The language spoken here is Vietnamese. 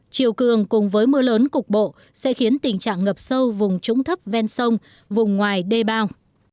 chiều cường cùng với mưa lớn cục bộ sẽ khiến tình trạng ngập sâu vùng trũng thấp ven sông vùng ngoài đê bao